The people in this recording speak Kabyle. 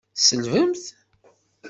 Tselbemt?